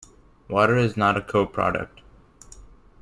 Water is not a co-product.